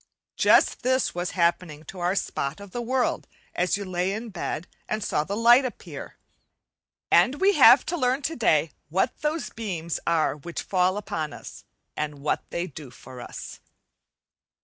Just this was happening to our spot of the world as you lay in bed and saw the light appear; and we have to learn today what those beams are which fall upon us and what they do for us.